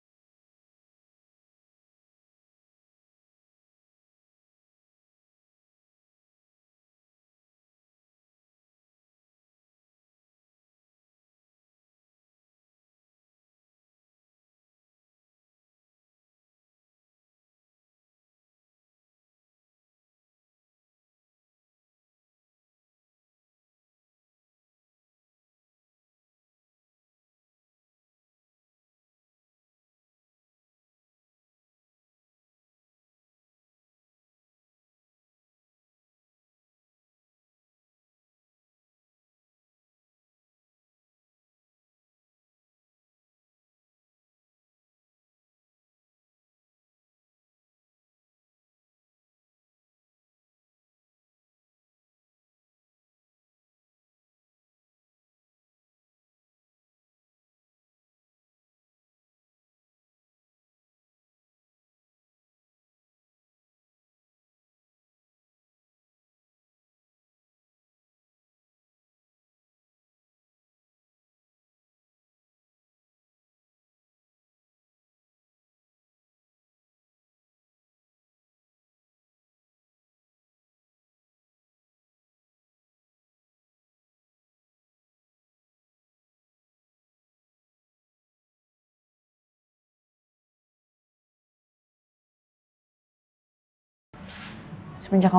dengan tante chandra